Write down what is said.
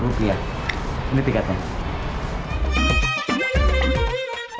tidak tidak tidak